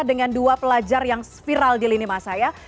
dengan dua pelajar yang viral di lini masa ya